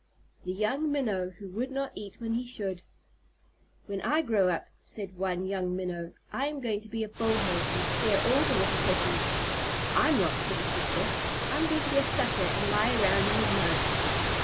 THE YOUNG MINNOW WHO WOULD NOT EAT WHEN HE SHOULD "When I grow up," said one young Minnow, "I am going to be a Bullhead, and scare all the little fishes." "I'm not," said his sister. "I'm going to be a Sucker, and lie around in the mud."